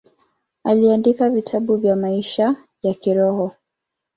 Aliandika vitabu vya maisha ya kiroho.